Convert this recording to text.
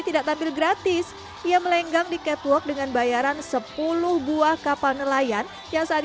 tidak tampil gratis ia melenggang di catwalk dengan bayaran sepuluh buah kapal nelayan yang saat